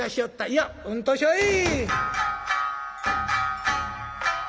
「いやうんとしょい」。